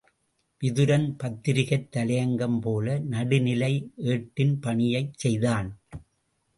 விதுரன் பத்திரிகைத் தலையங்கம் போல நடுநிலை ஏட்டி ன் பணியைச் செய்தான்.